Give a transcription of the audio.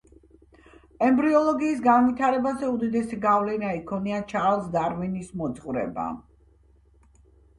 ემბრიოლოგიის განვითარებაზე უდიდესი გავლენა იქონია ჩარლზ დარვინის მოძღვრებამ.